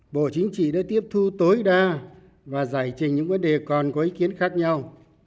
bộ chính trị đã tiếp thu tối đa và giải trình những vấn đề còn có ý kiến khác nhau